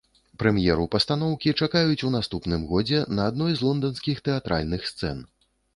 Прэм'еру пастаноўкі чакаюць у наступным годзе на адной з лонданскіх тэатральных сцэн.